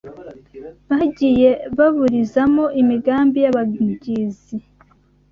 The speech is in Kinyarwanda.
Bagiye baburizamo imigambi y’abangizi